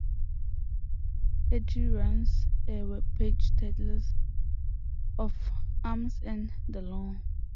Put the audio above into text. Hardy runs a webpage titled 'Of Arms and the Law'.